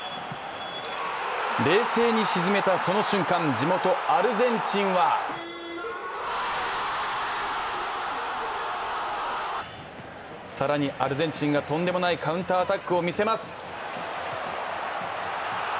冷静に沈めたその瞬間、地元アルゼンチンは更に、アルゼンチンがとんでもないカウンターアタックを見せます。